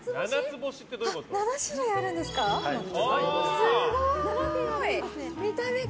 ７種類あるんですか？